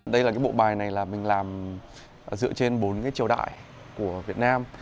đây là cái bộ bài này là mình làm dựa trên bốn cái triều đại của việt nam